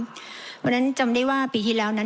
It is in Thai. เพราะฉะนั้นจำได้ว่าปีที่แล้วนั้น